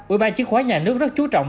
ủy ban chứng khoán nhà nước rất chú trọng